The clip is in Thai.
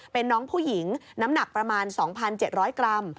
เป็นน้องผู้หญิงน้ำหนักประมาณ๒๗๐๐กรัม